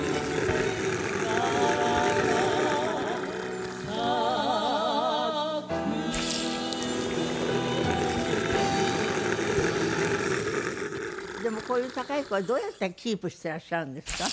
「ばらが咲く」でもこういう高い声どうやってキープしていらっしゃるんですか？